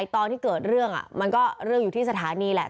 ตอนที่เกิดเรื่องมันก็เรื่องอยู่ที่สถานีแหละ